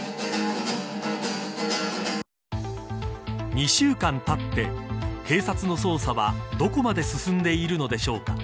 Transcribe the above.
２週間たって警察の捜査はどこまで進んでいるのでしょうか。